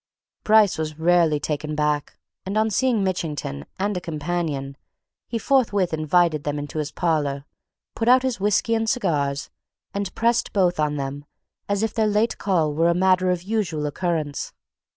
Bryce was rarely taken back, and on seeing Mitchington and a companion, he forthwith invited them into his parlour, put out his whisky and cigars, and pressed both on them as if their late call were a matter of usual occurrence.